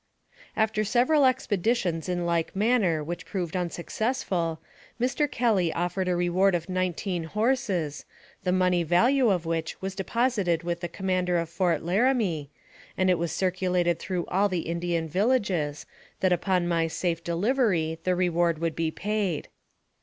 After several expeditions in like manner which proved unsuccessful, Mr. Kelly offered a reward of nineteen horses, the money value of which was de AMONG THE SIOUX INDIANS. 225 posited with the commander of Fort Laramie, and it was circulated through all the Indian villages, that upon my safe delivery the reward would be paid.